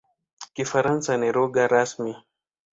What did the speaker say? Kifaransa ni lugha rasmi.